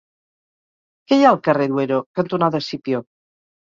Què hi ha al carrer Duero cantonada Escipió?